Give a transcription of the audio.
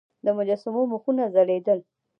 د مجسمو مخونه ځلیدل